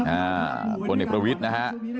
อ่าคนเด็กประวิทย์นะฮะ